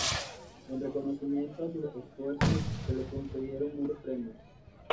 En reconocimiento a sus esfuerzos, se le concedieron muchos premios.